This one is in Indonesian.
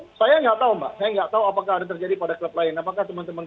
hai saya enggak tahu enggak tahu apakah ada terjadi pada klub lain apakah teman teman